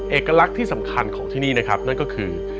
เอกลักษณ์ที่สำคัญของที่นี่นะครับนั่นก็คือ